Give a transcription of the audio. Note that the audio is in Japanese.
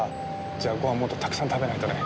じゃあごはんもっとたくさん食べないとね。